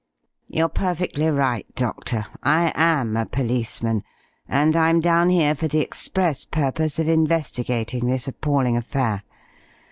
You're perfectly right, Doctor, I am a policeman, and I'm down here for the express purpose of investigating this appalling affair.